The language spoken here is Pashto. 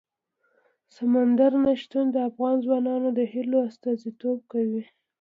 سمندر نه شتون د افغان ځوانانو د هیلو استازیتوب کوي.